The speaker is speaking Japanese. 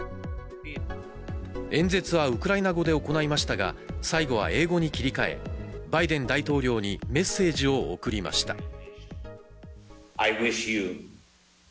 演説はウクライナ語で行いましたが、最後は英語に切り替え、バイデン大統領にメッセージを送りました。